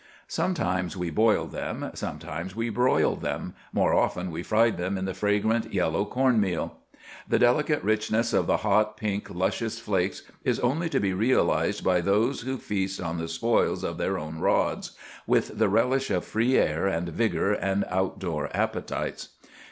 Sometimes we boiled them; sometimes we broiled them; more often we fried them in the fragrant, yellow corn meal. The delicate richness of the hot, pink, luscious flakes is only to be realized by those who feast on the spoils of their own rods, with the relish of free air and vigor and out door appetites.